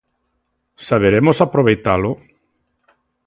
Saberemos aproveitalo?